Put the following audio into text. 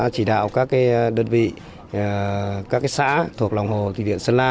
chỉ đạo các đơn vị các xã thuộc lòng hồ thủy điện sơn la